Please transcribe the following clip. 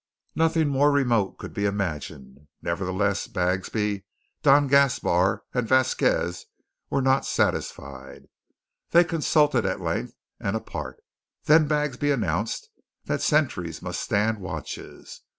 Nothing more remote could be imagined. Nevertheless Bagsby, Don Gaspar, and Vasquez were not satisfied. They consulted at length and apart; then Bagsby announced that sentries must stand watches.